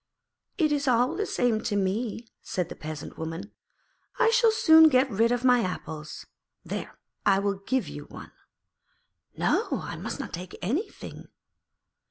'It is all the same to me,' said the Peasant Woman. 'I shall soon get rid of my apples. There, I will give you one.' 'No; I must not take anything.'